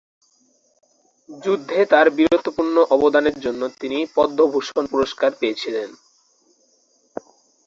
যুদ্ধে তার বীরত্বপূর্ণ অবদানের জন্য তিনি পদ্মভূষণ পুরস্কার পেয়েছিলেন।